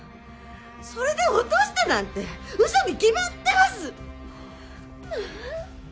それで落としたなんて嘘に決まってます！